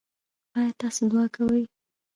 ایا تاسو دعا کوئ؟